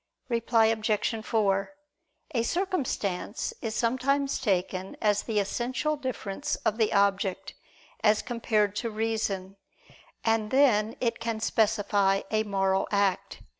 Reply Obj. 4: A circumstance is sometimes taken as the essential difference of the object, as compared to reason; and then it can specify a moral act.